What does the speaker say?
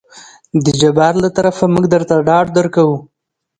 د جبار له طرفه موږ درته ډاډ درکو.